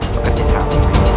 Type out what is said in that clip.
bekerja sama maiza